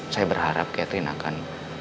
saya berharap catherine akan